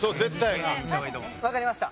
わかりました。